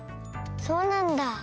そうなんだ。